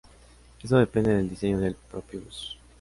Esto depende del diseño del propio bus.